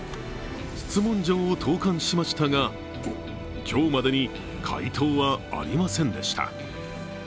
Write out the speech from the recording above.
質問状を投かんしましたが、今日までに回答はありませんでした。